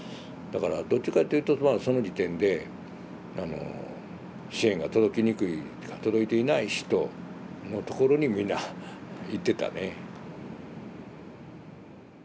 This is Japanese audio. だからどっちかっていうとまあその時点で支援が届きにくいてか届いていない人のところに皆行ってたね。